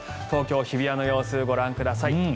東京・日比谷の様子ご覧ください。